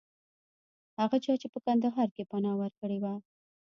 هغه چا چې په کندهار کې پناه ورکړې وه.